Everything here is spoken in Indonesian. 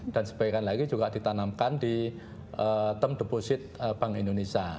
dan sebagian lagi juga ditanamkan di term deposit bank indonesia